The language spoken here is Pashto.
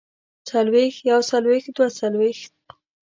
څلوېښت يوڅلوېښت دوه څلوېښت